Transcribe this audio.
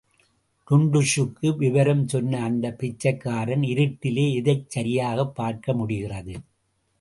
டுன்டுஷக்கு விவரம் சொன்ன அந்தப் பிச்சைக்காரன் இருட்டிலே எதைச் சரியாகப் பார்க்க முடிகிறது.